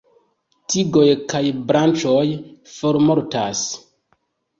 Tigoj kaj branĉoj formortas.